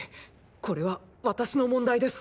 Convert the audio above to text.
これは私の問題です。